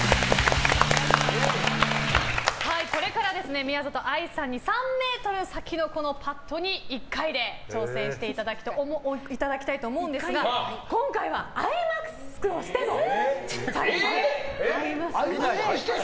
これから宮里藍さんに３ｍ先のパットに１回で挑戦していただきたいと思うんですが今回はアイマスクをしてのチャレンジです。